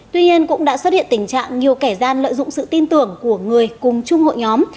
tuy nhiên cũng đã xuất hiện tình trạng nhiều kẻ gian lợi dụng sự tin tưởng của người cùng chung hội nhóm